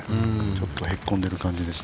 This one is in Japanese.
ちょっとへっこんでる感じです。